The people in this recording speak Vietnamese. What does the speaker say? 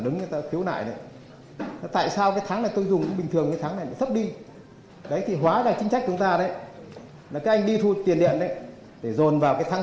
đấy là cái quan trọng